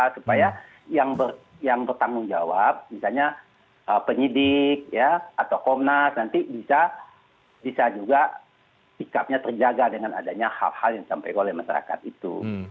supaya yang bertanggung jawab misalnya penyidik atau komnas nanti bisa juga sikapnya terjaga dengan adanya hal hal yang disampaikan oleh masyarakat itu